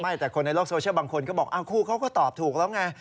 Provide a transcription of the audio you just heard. แต่คนในโลกโซเชียลบางคนก็บอกคู่เขาก็ตอบถูกแล้วไง